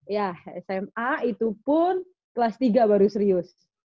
ya sma itu pun kelas tiga baru serius